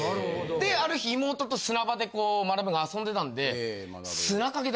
である日妹と砂場でまなぶが遊んでたんで。